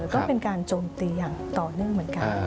ก็เป็นการโจมตีอย่างต่อเนื่องเหมือนกัน